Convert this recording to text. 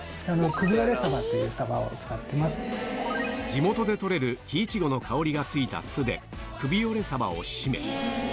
地元で採れるキイチゴの香りがついた酢で首折れサバを締め